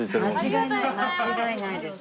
間違いないです。